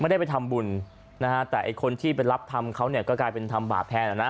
ไม่ได้ไปทำบุญนะฮะแต่คนที่ไปรับคำเค้าเนี่ยก็เป็นทำท่าบาตแพ้นะ